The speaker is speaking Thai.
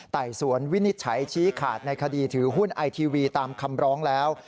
ไต่สวนวินิจฉัยชี้ขาดในคดีถือหุ้นไอทีวีตามคำร้องแล้ว